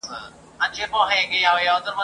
پر ټولۍ باندي راغلی یې اجل دی !.